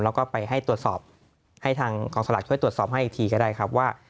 แล้วก็ไปให้ตรวจสอบให้ทางกองสลากช่วยตรวจสอบให้อีกทีก็ได้ครับว่า